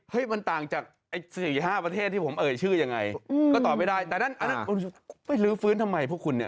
มันต่างจากไอ้๔๕ประเทศที่ผมเอ่ยชื่อยังไงก็ตอบไม่ได้แต่นั่นอันนั้นไปลื้อฟื้นทำไมพวกคุณเนี่ย